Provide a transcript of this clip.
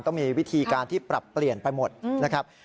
ก็มีวิธีการที่ปรับเปลี่ยนไปหมดนะครับ